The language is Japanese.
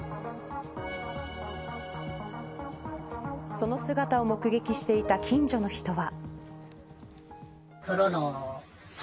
その姿を目撃していた近所の人は。